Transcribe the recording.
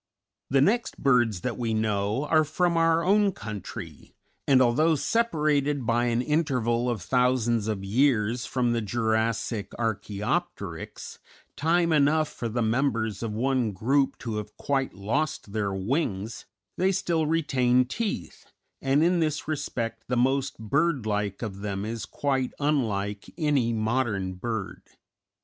_ The next birds that we know are from our own country, and although separated by an interval of thousands of years from the Jurassic Archæopteryx, time enough for the members of one group to have quite lost their wings, they still retain teeth, and in this respect the most bird like of them is quite unlike any modern bird.